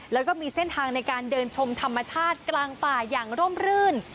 แล้วก็มีเส้นทางในการเดินชมธรรมชาติกลางป่าอย่างร่มรื่น